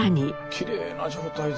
きれいな状態で。